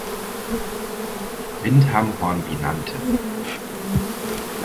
Windham Hornby nannte.